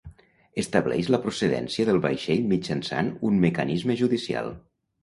Estableix la procedència del vaixell mitjançant un mecanisme judicial.